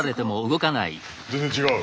全然違う。